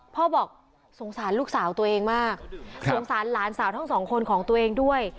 บอกสงสารลูกสาวตัวเองมากสงสารหลานสาวทั้งสองคนของตัวเองด้วย